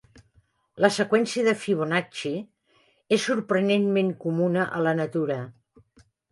La seqüència de Fibonacci és sorprenentment comuna a la natura.